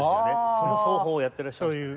その奏法をやってらっしゃいましたね。